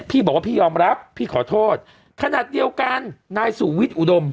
พี่บอกว่าพี่ยอมรับพี่ขอโทษขนาดเดียวกันนายสูวิทย์อุดม